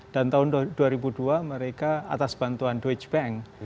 dan tahun dua ribu dua mereka atas bantuan doge bank